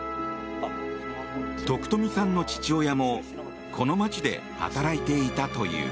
徳富さんの父親もこの街で働いていたという。